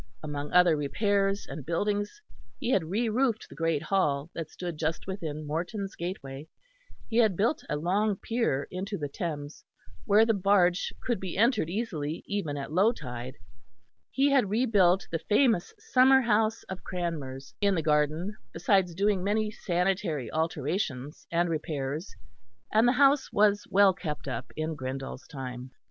Among other repairs and buildings he had re roofed the great hall that stood just within Morton's gateway; he had built a long pier into the Thames where the barge could be entered easily even at low tide; he had rebuilt the famous summerhouse of Cranmer's in the garden, besides doing many sanitary alterations and repairs; and the house was well kept up in Grindal's time.